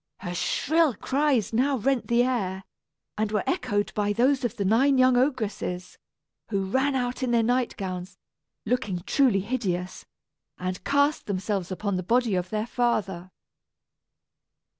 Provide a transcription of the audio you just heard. Her shrill cries now rent the air, and were echoed by those of the nine young ogresses, who ran out in their night gowns, looking truly hideous, and cast themselves upon the body of their father.